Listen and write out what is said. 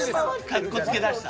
かっこつけだした。